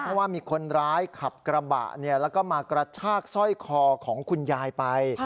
เพราะว่ามีคนร้ายขับกระบะแล้วก็มากระชากสร้อยคอของคุณยายไป